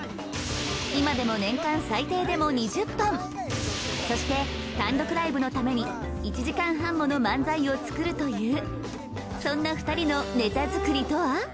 今でも年間最低でも２０本そして単独ライブのために１時間半もの漫才を作るというそんな２人のネタ作りとは？